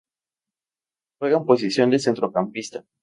Juega en posición de centrocampista.